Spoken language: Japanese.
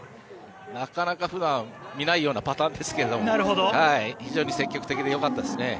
なかなか普段見ないようなパターンですけど非常に積極的でよかったですね。